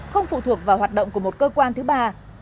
không phụ thuộc vào hoạt động của một cơ quan thứ ba